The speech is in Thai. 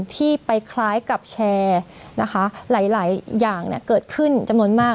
ที่ไปคล้ายกับแชร์นะคะหลายอย่างเกิดขึ้นจำนวนมาก